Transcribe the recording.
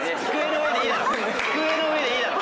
机の上でいいだろ！